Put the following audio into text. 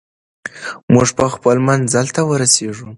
موږ به خپل منزل ته ورسېږو.